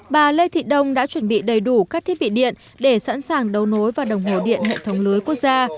bà lê thị đông đã chuẩn bị đầy đủ các thiết bị điện để sẵn sàng đấu nối vào đồng hồ điện hệ thống lưới quốc gia